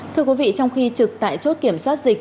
thưa quý vị trong khi trực tại chốt kiểm soát dịch